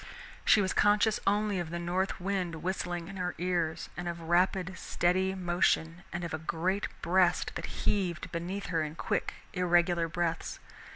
She was conscious only of the north wind whistling in her ears, and of rapid steady motion and of a great breast that heaved beneath her in quick, irregular breaths.